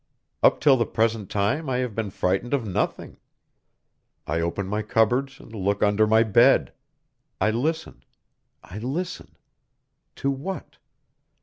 Up till the present time I have been frightened of nothing I open my cupboards, and look under my bed; I listen I listen to what?